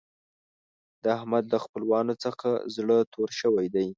د احمد له خپلوانو څخه زړه تور شوی دی.